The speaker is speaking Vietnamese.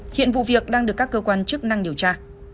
hiện vụ việc đang được các cơ quan chức năng điều tra